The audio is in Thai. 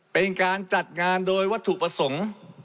เป็นการจัดงานโดยวัตถุประสงค์